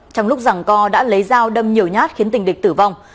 trong lúc rằng co đã lấy dao đâm nhiều nhát khiến tình địch tử vong